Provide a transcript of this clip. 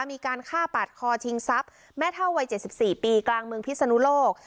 มีการฆ่าปัดคอทิ้งทรัพย์แม้เท่าวัยเจ็ดสิบสี่ปีกลางเมืองพิสนุโลก